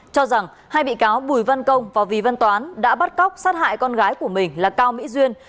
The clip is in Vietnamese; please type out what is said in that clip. cho rằng hai bị cáo bùi văn công và vì văn toán đã bắt cóc sát hại con gái của mình là cao mỹ duyên